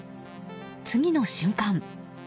次の瞬間。